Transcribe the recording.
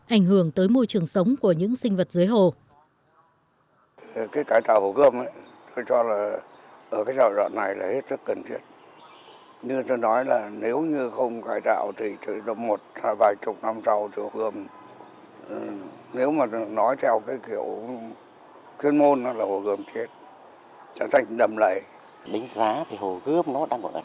ảnh hưởng tới môi trường sống của những sinh vật dưới hồ